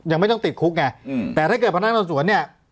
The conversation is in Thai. ยังไม่ต้องติดคุกไงแต่ถ้าเกิดพนักงานสอบสวนเนี่ย